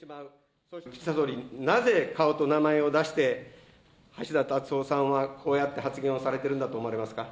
岸田総理、なぜ顔と名前を出して、橋田達夫さんはこうやって発言をされてるんだと思いますか。